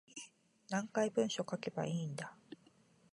何回文章書けばいいんだ